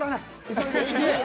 急いで急いで。